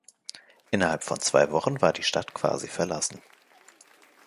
Innerhalb von zwei Wochen war die Stadt quasi verlassen.